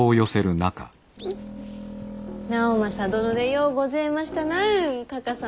直政殿でようごぜましたなうんかか様。